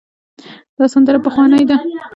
دا سندره پخوانۍ ده.